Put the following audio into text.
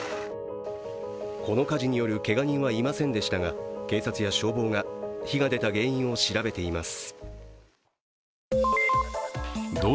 この火事によるけが人はいませんでしたが警察や消防が火が出た原因を調べています。